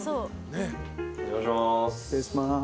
お邪魔します。